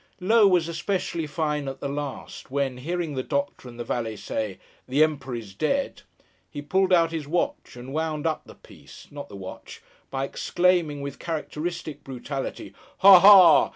Low was especially fine at the last, when, hearing the doctor and the valet say, 'The Emperor is dead!' he pulled out his watch, and wound up the piece (not the watch) by exclaiming, with characteristic brutality, 'Ha! ha!